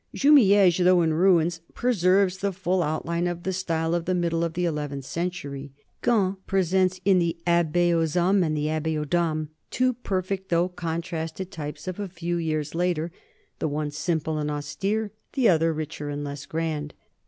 Jumieges, though in ruins, preserves the full outline of the style of the middle of the eleventh century; Caen presents in the Abbaye aux Hommes and the Abbaye aux Dames two perfect though contrasted types of a few years 188 NORMANS IN EUROPEAN HISTORY later, the one simple and austere, the other richer and less grand.